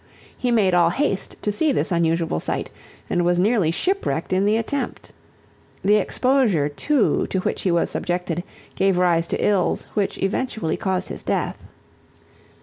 He made all haste to see this unusual sight and was nearly ship wrecked in the attempt. The exposure, too, to which he was subjected gave rise to ills which eventually caused his death.